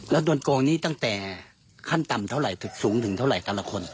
แล้วโดนโกงนี้ตั้งแต่ขั้นต่ำเท่าไหร่ถึงสูงถึงเท่าไหร่แต่ละคน